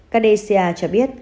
cadesia cho biết